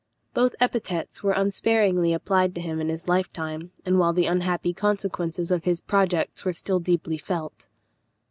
Both epithets were unsparingly applied to him in his lifetime, and while the unhappy consequences of his projects were still deeply felt.